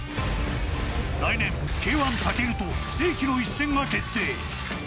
来年、Ｋ‐１武尊と世紀の一戦が決定。